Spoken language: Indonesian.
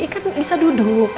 ikan bisa duduk